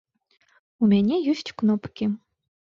У мяне ёсць кнопкі.